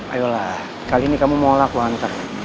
ayolah kali ini kamu mohonlah aku hantar